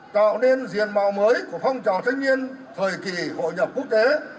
tạo nên diện mạo mới của phong trào thanh niên thời kỳ hội nhập quốc tế